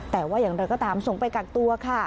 แต่ว่าอย่างไรก็ตามส่งไปกักตัวค่ะ